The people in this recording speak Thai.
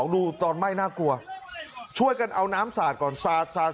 ดูตอนไหม้น่ากลัวช่วยกันเอาน้ำสาดก่อนสาด